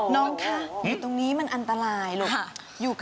น้องคะอยู่ตรงนี้มันอันตรายลูก